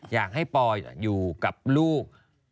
อยากให้ปออยู่กับลูก